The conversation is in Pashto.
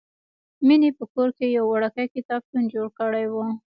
مینې په کور کې یو وړوکی کتابتون جوړ کړی و